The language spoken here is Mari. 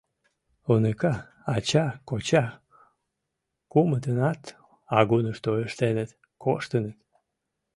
Уныка, ача, коча — кумытынат агунышто ыштеныт, коштеныт.